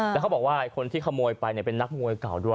แล้วเขาบอกว่าคนที่ขโมยไปเป็นนักมวยเก่าด้วย